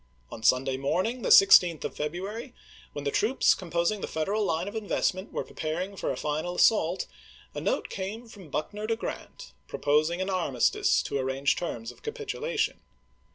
On Sunday morning, the 16th of February, when the troops i862. composing the Federal line of investment were preparing for a final assault, a note came from Buckner to Grant, proposing an armistice to ar range terms of capitulation.